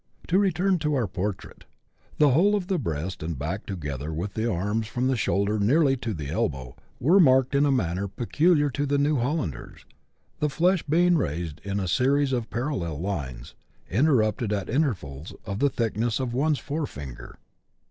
To return to our portrait : the whole of the breast and back, together with the arms from the shoulder nearly to the elbow, were marked in a manner peculiar to the New Hollanders, the flesh being raised in a series of parallel lines, interrupted at intervals, of the thickness of one's forefinger.